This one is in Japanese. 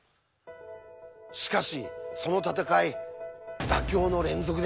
しかしその闘い妥協の連続でした。